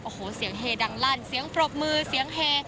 โอ้โหเสียงเฮดังลั่นเสียงปรบมือเสียงเฮ